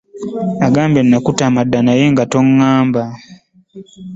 Ogambye nakutama dda naye nga tongamba!